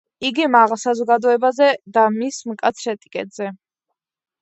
იგი მაღალ საზოგადოებაზე და მის მკაცრ ეტიკეტზე.